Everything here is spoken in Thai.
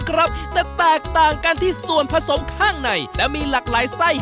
ครับแต่แตกต่างกันที่ส่วนผสมข้างในและมีหลากหลายไส้